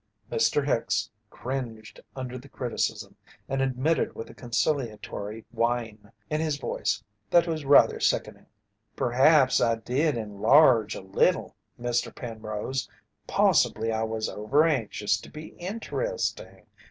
Mr. Hicks cringed under the criticism, and admitted with a conciliatory whine in his voice that was rather sickening: "Perhaps I did enlarge a little, Mr. Penrose. Possibly I was over anxious to be interesting.